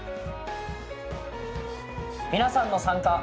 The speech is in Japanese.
皆さんの参加。